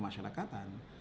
bukan golputnya ya